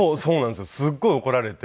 すごい怒られて。